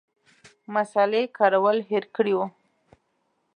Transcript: مصالې کارول هېر کړي وو.